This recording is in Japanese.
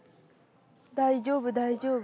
大丈夫大丈夫。